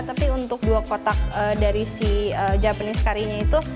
tapi untuk dua kotak dari si japanese currynya itu